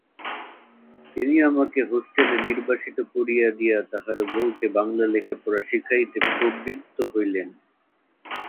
তিনি আমাকে হস্টেলে নির্বাসিত করিয়া দিয়া তাঁহার বউমাকে বাংলা লেখাপড়া শিখাইতে প্রবৃত্ত হইলেন।